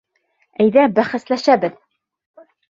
Әйҙә, бәхәсләшәбеҙ!